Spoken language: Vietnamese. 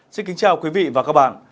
xin kính chào quý vị và các bạn